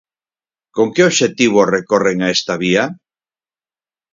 Con que obxectivo recorren a esta vía?